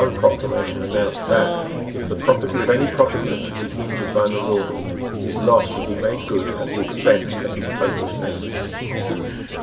One proclamation announced that, if the property of any Protestant should be injured by marauders, his loss should be made good at the expense of his Popish neighbours.